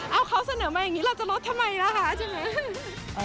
เอาเขาเสนอมาอย่างนี้เราจะลดทำไมล่ะคะใช่ไหม